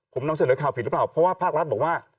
ผมนำเสนอข่าวผิดหรือเปล่าเพราะว่าภาครัฐบอกว่า